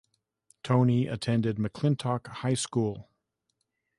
Tony attended McClintock High School.